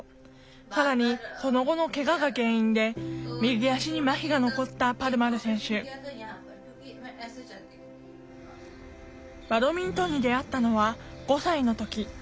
更にその後のけがが原因で右足にまひが残ったパルマル選手バドミントンに出会ったのは５歳の時。